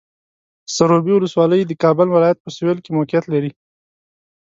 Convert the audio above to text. سروبي ولسوالۍ د کابل ولایت په سویل کې موقعیت لري.